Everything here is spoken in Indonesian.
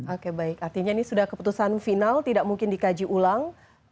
oke baik artinya ini sudah keputusan final tidak mungkin dikaji ulang